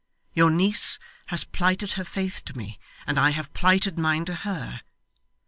Your niece has plighted her faith to me, and I have plighted mine to her.